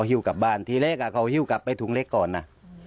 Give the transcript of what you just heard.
หิ้วกลับบ้านทีแรกเขาหิ้วกลับไปถุงเล็กก่อนนะ